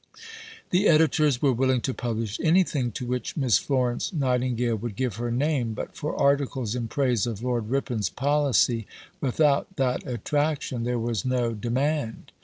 The editors were willing to publish anything to which Miss Florence Nightingale would give her name, but for articles in praise of Lord Ripon's policy without that attraction there was no demand.